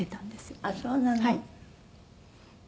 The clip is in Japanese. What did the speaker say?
あっそうなの。